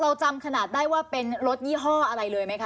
จำขนาดได้ว่าเป็นรถยี่ห้ออะไรเลยไหมคะ